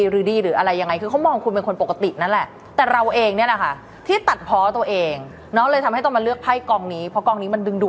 เพื่อนโรงงานที่อายุกว่าคุณหรือเจ้านายของคุณเอง